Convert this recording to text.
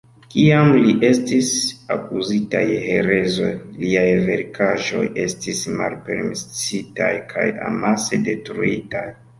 Kiam li estis akuzita je herezo, liaj verkaĵoj estis malpermesitaj kaj amase detruitaj.